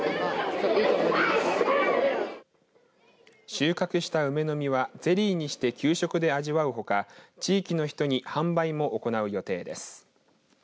収穫した梅の実はゼリーにして給食で味わうほか地域の人に販売も行う予定です。